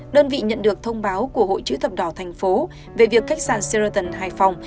đơn vị nhận được thông báo của hội chứ tập đỏ thành phố về việc khách sạn sheraton hải phòng